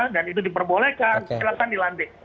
dan itu diperbolehkan silakan dilantik